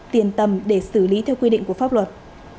tiền tầm để xử lý theo quy định của pháp luật